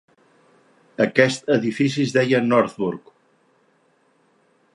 Aquest edifici es deia "Northburg".